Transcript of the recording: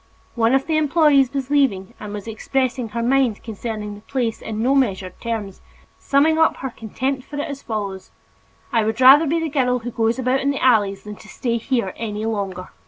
One of the employees was leaving and was expressing her mind concerning the place in no measured terms, summing up her contempt for it as follows: "I would rather be the girl who goes about in the alleys than to stay here any longer!"